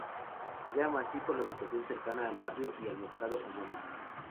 Se llama así por la ubicación cercana al barrio y al mercado homónimo.